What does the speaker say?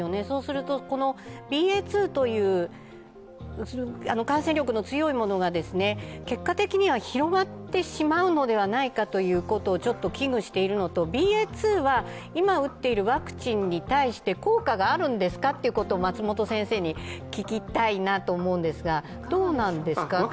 そうするとＢＡ．２という感染力の強いものが結果的には広がってしまうのではないかということをちょっと危惧しているのとＢＡ．２は今打っているワクチンに対して効果があるんですかということを松本先生に聞きたいなと思うんですがどうなんですか。